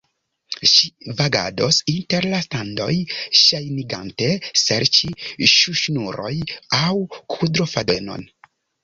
Ŝi vagados inter la standoj, ŝajnigante serĉi ŝuŝnurojn, aŭ kudrofadenon.